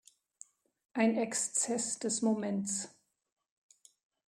Ein Exzess des Moments.